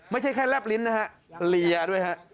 ไม่ใช่แค่แลบลิ้นนะฮะเลียด้วยฮะ